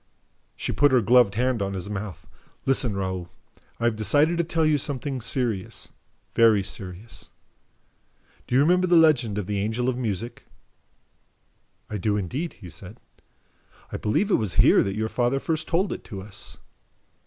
She put her gloved hand on his mouth. "Listen, Raoul. I have decided to tell you something serious, very serious ... Do you remember the legend of the Angel of Music?" "I do indeed," he said. "I believe it was here that your father first told it to us."